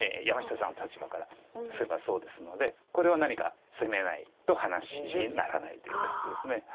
山下さんの立場からすればそうですのでこれは何か攻めないと話にならないという感じです。